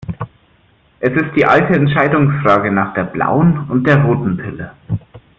Es ist die alte Entscheidungsfrage nach der blauen und der roten Pille.